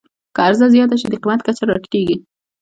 که عرضه زیاته شي، د قیمت کچه راټیټېږي.